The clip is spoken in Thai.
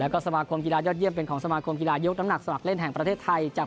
ก็คือนักกีฬาสมัครเล่นยอดเยี่ยมชาย